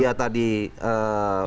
ya itu yang pertama